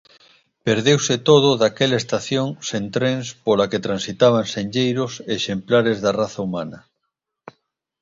Perdeuse todo daquela estación sen trens pola que transitaban senlleiros exemplares da raza humana.